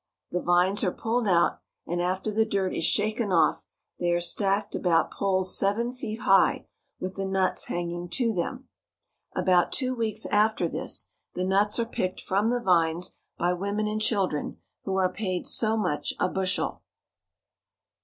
The vines are pulled out, and after the dirt is shaken off they are stacked about poles seven feet high, with the nuts hanging to them. About two weeks after this the A Peanut Vine. JAMESTOWN. 103 nuts are picked from the vines by women and children, who are paid so much a bushel.